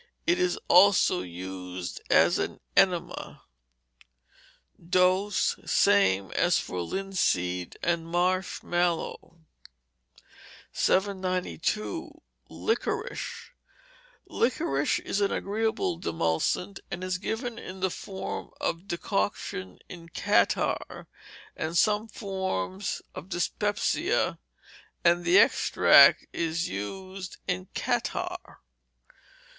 It is also used as an enema. Dose, same as for linseed and marsh mallow. 792. Liquorice Liquorice is an agreeable demulcent, and is given in the form of decoction in catarrh, and some forms of dyspepsia, and the extract is used in catarrh.